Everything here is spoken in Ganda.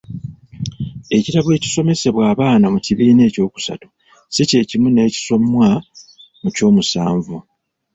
Ekitabo ekisomebwa abaana mu kibiina ekyokusatu si kyekimu n'ekisomwa mu kyomusanvu.